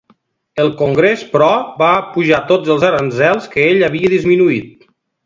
El Congrés, però, va apujar tots els aranzels que ell havia disminuït.